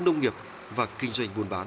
nông nghiệp và kinh doanh buôn bán